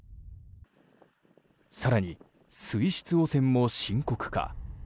更に水質汚染も深刻化。